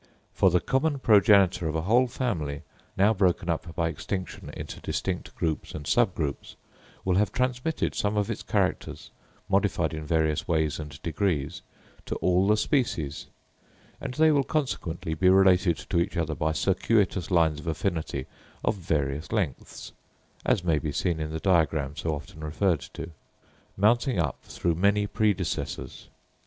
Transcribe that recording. For the common progenitor of a whole family, now broken up by extinction into distinct groups and subgroups, will have transmitted some of its characters, modified in various ways and degrees, to all the species; and they will consequently be related to each other by circuitous lines of affinity of various lengths (as may be seen in the diagram so often referred to), mounting up through many predecessors.